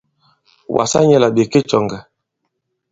Wàsa nyɛ̄ là ɓè ke cɔ̀ŋgɛ̀.